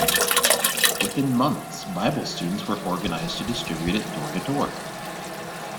Within months Bible Students were organized to distribute it door-to-door.